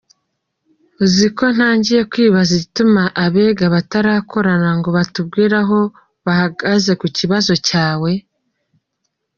Uziko ntangiye kwibaza igituma Abega batarakorana ngo batubwire aho bahagaze ku kibazo cyawe!?